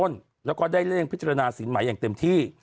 แล้วก็ได้เร่งพิจารณาสินใหม่อย่างเต็มที่